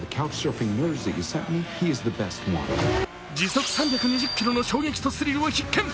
時速３２０キロの衝撃とスリルは必見。